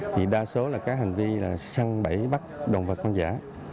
thì đa số là các hành vi săn bẫy bắt đồng vật con giả